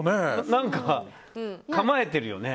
何か、構えてるよね。